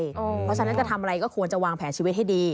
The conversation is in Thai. เพราะฉะนั้นจะทำอะไรก็ควรจะวางแผนชีวิตให้ดี